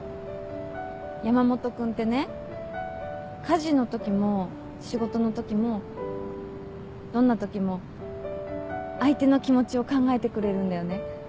山本君ってね家事のときも仕事のときもどんなときも相手の気持ちを考えてくれるんだよね。